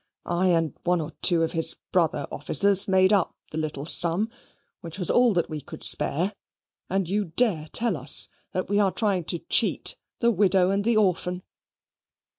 I and one or two of his brother officers made up the little sum, which was all that we could spare, and you dare tell us that we are trying to cheat the widow and the orphan."